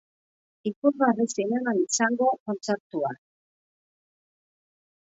Ikusgarri zineman izango kontzertua.